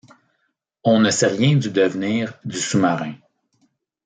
On ne sait rien du devenir du sous-marin.